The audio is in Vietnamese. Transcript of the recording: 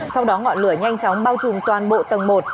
sau đó ngọn lửa nhanh chóng bao trùm toàn bộ tầng một